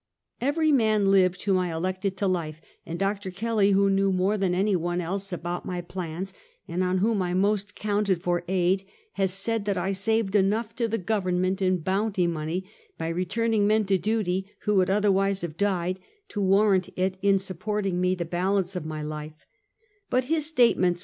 Every man lived whom I elected to life, and Dr. Kelly, who knew more than any one else about my plans, and on whom I most counted for aid, has said that I saved enough to the government in bounty money, by returning men to duty who would other wise have died, to warrant it in supporting me the balance of my life; but his statements.